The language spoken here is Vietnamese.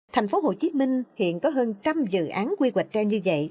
thành phố hồ chí minh hiện có hơn trăm dự án quy hoạch treo như vậy